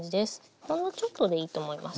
ほんのちょっとでいいと思います。